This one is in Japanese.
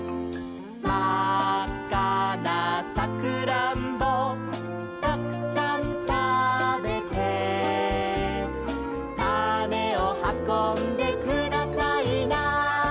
「まっかなサクランボたくさんたべて」「たねをはこんでくださいな」